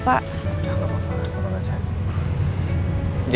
udah nggak apa apa